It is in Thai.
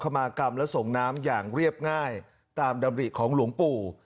มากรรมและส่งน้ำอย่างเรียบง่ายตามดำริของหลวงปู่